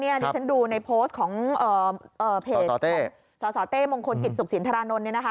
นี่ฉันดูในโพสต์ของเพจสสเต้มงคลกิจสุขศีลทรานนทร์